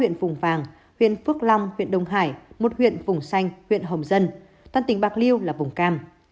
huyện phùng vàng huyện phước long huyện đông hải một huyện vùng xanh huyện hồng dân toàn tỉnh bạc liêu là vùng cam